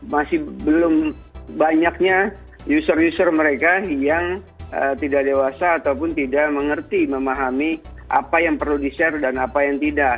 masih belum banyaknya user user mereka yang tidak dewasa ataupun tidak mengerti memahami apa yang perlu di share dan apa yang tidak